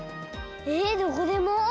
えどこでも？